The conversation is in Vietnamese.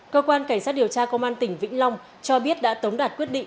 cơ quan cảnh sát điều tra công an tỉnh vĩnh long cho biết đã tống đạt quyết định